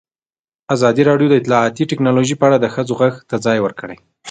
ازادي راډیو د اطلاعاتی تکنالوژي په اړه د ښځو غږ ته ځای ورکړی.